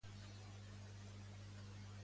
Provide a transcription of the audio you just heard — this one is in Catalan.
Quin partit polític fa costat a Puigdemont i Comín?